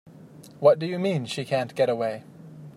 What do you mean she can't get away?